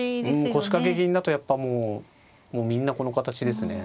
腰掛け銀だとやっぱもうみんなこの形ですね。